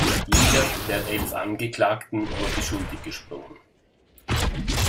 Jeder der elf Angeklagten wurde schuldig gesprochen.